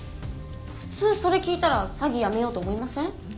普通それ聞いたら詐欺やめようと思いません？